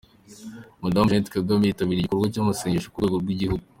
Madamu janete Kagame yitabiriye igikorwa cy’amasengesho ku rwego rw’igihugu